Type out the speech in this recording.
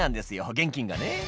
現金がね」